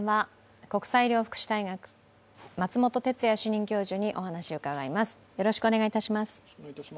この時間は国際医療福祉大学松本哲哉主任教授にお話を伺います。